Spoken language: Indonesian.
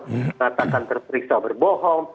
mengatakan terperiksa berbohong